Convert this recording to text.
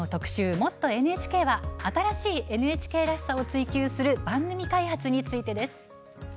「もっとＮＨＫ」は新しいＮＨＫらしさを追求する番組開発についてです。